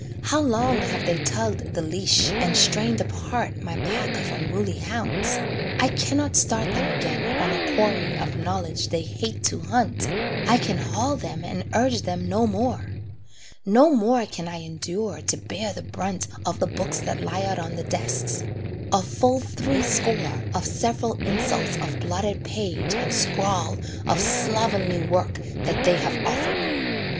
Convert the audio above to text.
How long have they tugged the leash, and strained apart My pack of unruly hounds: I cannot start Them again on a quarry of knowledge they hate to hunt, I can haul them and urge them no more. No more can I endure to bear the brunt Of the books that lie out on the desks: a full three score Of several insults of blotted page and scrawl Of slovenly work that they have offered me.